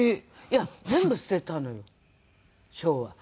いや全部捨てたのよ賞は。